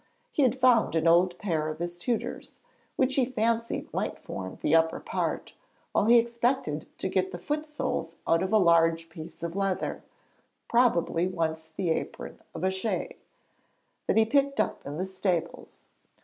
He had found an old pair of his tutor's, which he fancied might form the upper part, while he expected to get the foot soles out of a large piece of leather probably once the apron of a 'chaise' that he picked up in the stables.